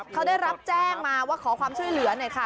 เขาได้รับแจ้งมาว่าขอความช่วยเหลือหน่อยค่ะ